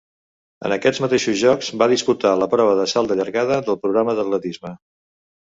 En aquests mateixos Jocs va disputar la prova del salt de llargada del programa d'atletisme.